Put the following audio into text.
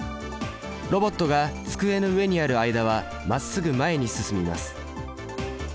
ロボットが机の上にある間はまっすぐ前に進みます。